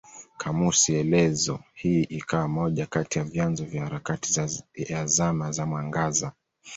Kamusi elezo hii ikawa moja kati ya vyanzo vya harakati ya Zama za Mwangaza.